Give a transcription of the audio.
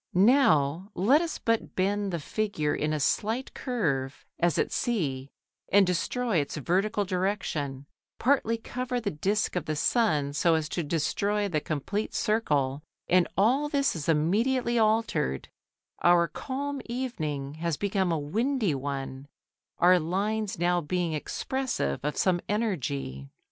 Now let us but bend the figure in a slight curve, as at C, and destroy its vertical direction, partly cover the disc of the sun so as to destroy the complete circle, and all this is immediately altered, our calm evening has become a windy one, our lines now being expressive of some energy.